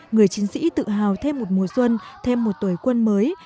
người chiến sĩ tự hào thêm một mùa xuân thêm một tuổi quân mới